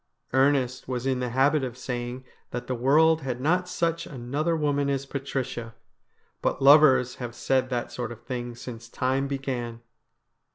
Ernest was in the habit of saying that the world had not such another woman as Patricia ; but lovers have said that sort of thing since time began.